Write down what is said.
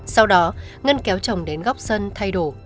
sau đó ngân kéo chồng đến góc sân thay đổi